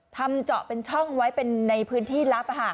เจาะเป็นช่องไว้เป็นในพื้นที่ลับ